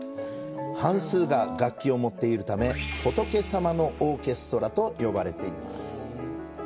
半数が楽器を持っているため「仏様のオーケストラ」と呼ばれています。